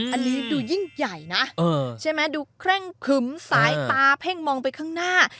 อันนี้ดูยิ่งใหญ่นะคใช่มั้ยเดี๋ยวแคล็งขึมซ้ายตาเผ่งมองไปข้างหน้า